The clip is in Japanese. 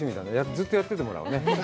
ずっとやっててもらおうね。